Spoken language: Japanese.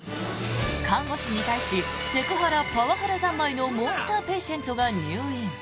看護師に対しセクハラ・パワハラざんまいのモンスターペイシェントが入院。